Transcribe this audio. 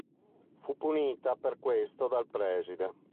Fu punita per questo dal preside.